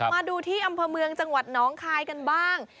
มาดูที่อำเภอเมืองจังหวัดน้องคายกันบ้าง